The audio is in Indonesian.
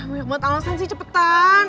banyak banget alasan sih cepetan